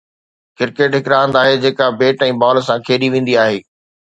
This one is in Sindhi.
ڪرڪيٽ هڪ راند آهي جيڪا بيٽ ۽ بال سان کيڏي ويندي آهي